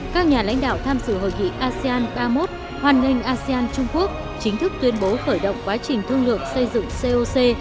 các nhà lãnh đạo tham dự hội nghị asean ba mươi một hoàn nghênh asean trung quốc chính thức tuyên bố khởi động quá trình thương lượng xây dựng coc